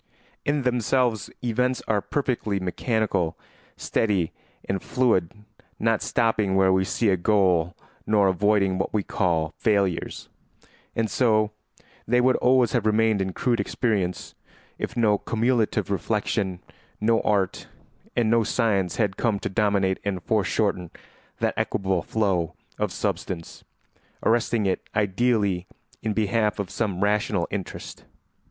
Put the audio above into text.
In themselves events are perfectly mechanical, steady, and fluid, not stopping where we see a goal nor avoiding what we call failures. And so they would always have remained in crude experience, if no cumulative reflection, no art, and no science had come to dominate and foreshorten that equable flow of substance, arresting it ideally in behalf of some rational interest.